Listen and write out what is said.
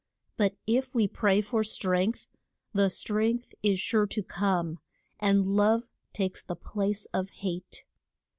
But if we pray for strength, the strength is sure to come, and love takes the place of hate.